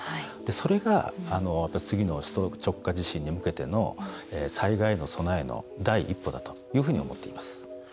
それが次の首都直下地震に向けての災害への備えの第一歩だと思っています。